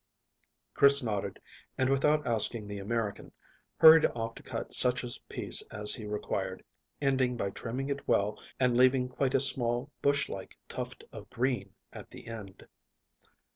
Chris nodded, and without asking the American, hurried off to cut such a piece as he required, ending by trimming it well and leaving quite a small bush like tuft of green at the end.